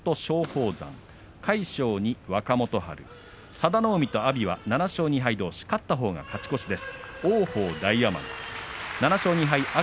佐田の海と阿炎は７勝２敗どうし勝ったほうは勝ち越しです。